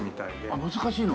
あっ難しいの？